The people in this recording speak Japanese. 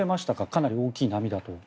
かなり大きい波と。